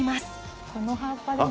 この葉っぱでも。